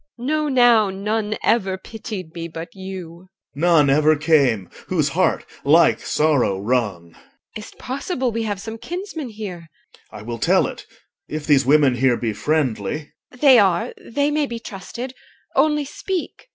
EL. Know now, none ever pitied me but you. OR. None ever came whose heart like sorrow wrung. EL. Is't possible we have some kinsman here? OR. I will tell it, if these women here be friendly. EL. They are. They may be trusted. Only speak.